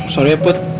sorry ya put